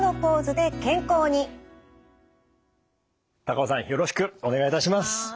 高尾さんよろしくお願いいたします。